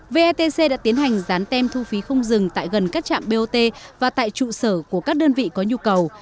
vetc đã tiến hành dán tem thu phí không dừng tại gần các trạm bot và tại trụ sở của các đơn vị có nhu cầu